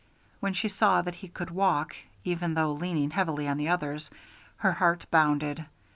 When she saw that he could walk, even though leaning heavily on the others, her heart bounded.